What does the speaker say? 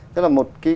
thế là một